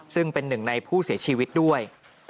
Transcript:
ซึ่งเป็นหนึ่งในผู้เสียชีวิตด้วย